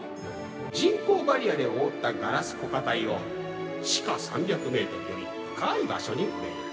人口バリアで覆ったガラス固化体を地下３００メートルより深い場所に埋める。